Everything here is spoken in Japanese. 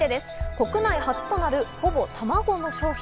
国内初となる、ほぼ卵の商品。